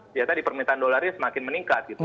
ternyata dipermintaan dollarnya semakin meningkat gitu